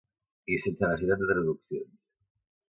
I sense necessitat de traduccions.